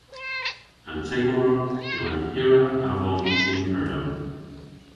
An Tamar yw an hirra avon yn Kernow.